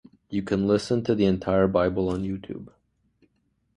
You can listen to the entire bible on youtube